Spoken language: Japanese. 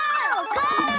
ゴー！